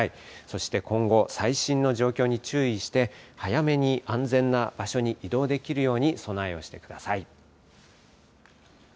そして今後、最新の状況に注意して、早めに安全な場所に移動できるように備えをしてください。